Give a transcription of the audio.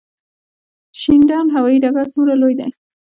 شینډنډ هوايي ډګر څومره لوی دی؟